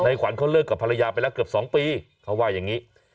ขวัญเขาเลิกกับภรรยาไปแล้วเกือบ๒ปีเขาว่าอย่างนี้